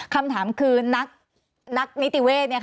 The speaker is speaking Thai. คำถามคือนักนิติเวศ